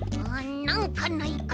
なんかないかな。